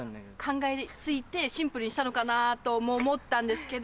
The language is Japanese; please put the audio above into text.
考えついてシンプルにしたのかなぁとも思ったんですけど。